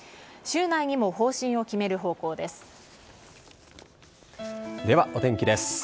週内にも方針を決める方向です。